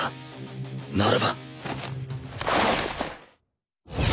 ならば